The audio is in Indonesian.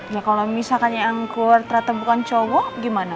ya kalau misalkan yang keluar teratam bukan cowok gimana